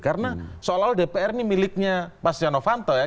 karena soal dpr ini miliknya pak syanovanto ya